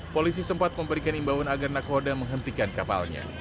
polisi sempat memberikan imbauan agar nakoda menghentikan kapalnya